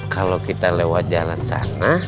kalau kita lewat jalan sana